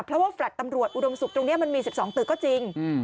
เพราะว่าแฟลต์ตำรวจอุดมศุกร์ตรงนี้มันมี๑๒ตึกก็จริง